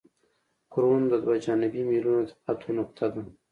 کرون د دوه جانبي میلونو د تقاطع نقطه ده